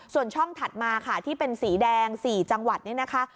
ส่วนช่องถัดมาค่ะที่เป็นสีแดง๔จังหวัดนี่นะคะ